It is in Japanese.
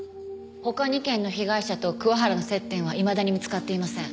他２件の被害者と桑原の接点はいまだに見つかっていません。